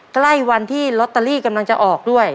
ใกล้วันที่ลอตเตอรี่กำลังจะออกด้วย